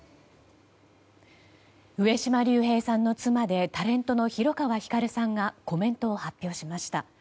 上島竜兵さんの妻でタレントの広川ひかるさんがコメントを発表しました。